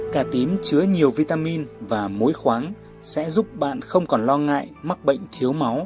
cả tím chứa nhiều vitamin và mối khoáng sẽ giúp bạn không còn lo ngại mắc bệnh thiếu máu